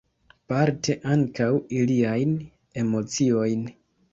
Parte ankaŭ iliajn emociojn.